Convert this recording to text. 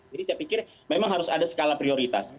jadi saya pikir memang harus ada skala prioritas